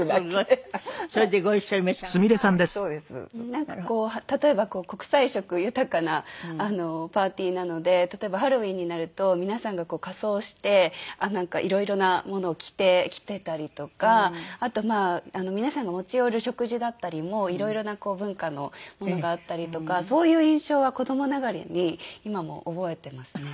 なんか例えばこう国際色豊かなパーティーなので例えばハロウィーンになると皆さんが仮装していろいろなものを着てたりとかあと皆さんが持ち寄る食事だったりもいろいろな文化のものがあったりとかそういう印象は子どもながらに今も覚えてますね。